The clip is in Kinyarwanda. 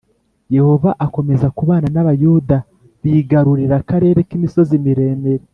yehova akomeza kubana n’abayuda bigarurira akarere k’imisozi miremire,